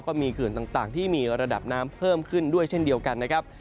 เขื่อนต่างที่มีระดับน้ำเพิ่มขึ้นด้วยเช่นเดียวกันนะครับ